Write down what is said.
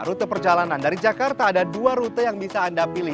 rute perjalanan dari jakarta ada dua rute yang bisa anda pilih